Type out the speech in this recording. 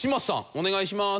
お願いします。